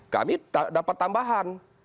kami dapat tambahan